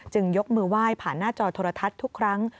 ยกมือไหว้ผ่านหน้าจอโทรทัศน์ทุกครั้ง